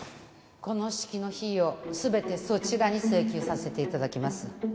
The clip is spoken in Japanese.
この式の費用全てそちらに請求させていただきます。